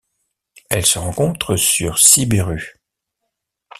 Elle se rencontre sur Siberut.